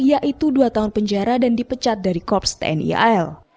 yaitu dua tahun penjara dan dipecat dari korps tni al